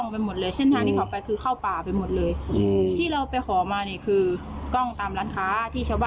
เพื่อนหลับไม่ได้นอนกันเลยตามหา